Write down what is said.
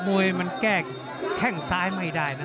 มวยมันแก้แข้งซ้ายไม่ได้นะ